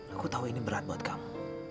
aku tahu ini berat buat kamu